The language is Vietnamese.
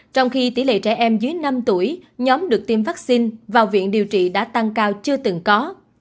trong khi tỷ lệ trẻ em dưới năm tuổi nhóm được tiêm vaccine vào viện điều trị đã tăng cao chưa từng có